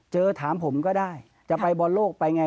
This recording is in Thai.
ถามผมก็ได้จะไปบอลโลกไปไง